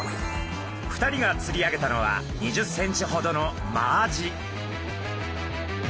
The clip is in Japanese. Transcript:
２人がつり上げたのは２０センチほどのマアジ。